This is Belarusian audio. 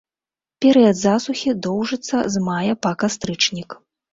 Перыяд засухі доўжыцца з мая па кастрычнік.